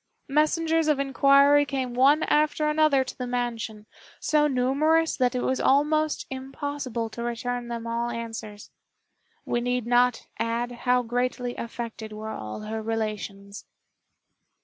Messengers of inquiry came one after another to the mansion, so numerous that it was almost impossible to return them all answers. We need not add how greatly affected were all her relations.